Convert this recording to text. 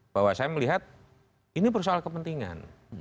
bahwa saya melihat ini persoalan kepentingan